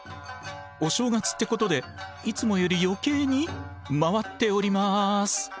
お正月ってことでいつもより余計に回っております。